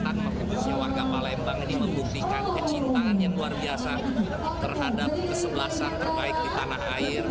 dan perkembangannya warga palembang ini membuktikan kecintaan yang luar biasa terhadap kesebelasan terbaik di tanah air